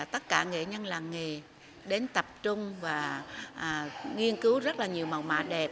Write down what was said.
tất cả nghệ nhân làng nghề đến tập trung và nghiên cứu rất là nhiều màu mạ đẹp